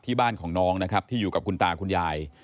ที่บ้านของน้องนะครับที่อยู่กับคุณตาคุณยาย